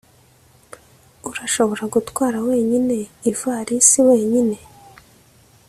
urashobora gutwara wenyine ivarisi wenyine?